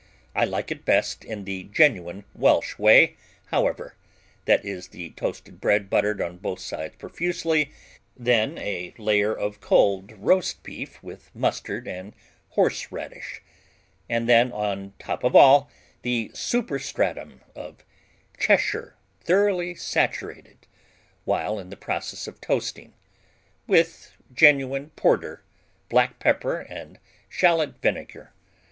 I like it best in the genuine Welsh way, however that is, the toasted bread buttered on both sides profusely, then a layer of cold roast beef with mustard and horseradish, and then, on the top of all, the superstratum, of Cheshire thoroughly saturated, while, in the process of toasting, with genuine porter, black pepper, and shallot vinegar.